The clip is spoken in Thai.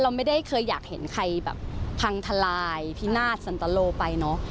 เราไม่ได้เคยอยากเห็นใครแบบพังทลายพินาศสันตโลไปเนอะ